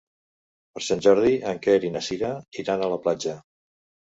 Per Sant Jordi en Quer i na Cira iran a la platja.